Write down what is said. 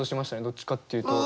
どっちかっていうと。